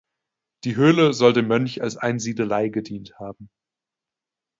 Die Höhle soll dem Mönch als Einsiedelei gedient haben.